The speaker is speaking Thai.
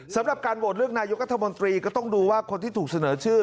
สำหรับการโหวตเลือกนายกัธมนตรีก็ต้องดูว่าคนที่ถูกเสนอชื่อ